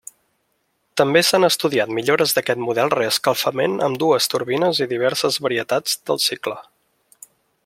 També s'han estudiat millores d'aquest model reescalfament amb dues turbines i diverses varietats del cicle.